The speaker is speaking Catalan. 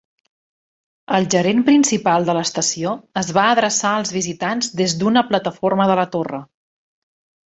El gerent principal de l'estació es va adreçar als visitants des d'una plataforma de la torre.